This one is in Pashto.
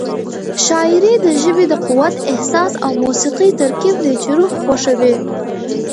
شاعري د ژبې د قوت، احساس او موسيقۍ ترکیب دی چې روح خوښوي.